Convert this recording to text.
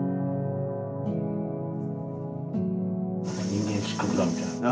人間失格だみたいな。